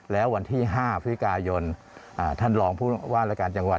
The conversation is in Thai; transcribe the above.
แล้ววันที่๕พฤกายนท่านรองผู้ว่ารายการจังหวัด